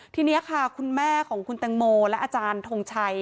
ทีนี้ค่ะคุณแม่ของคุณแตงโมและอาจารย์ทงชัย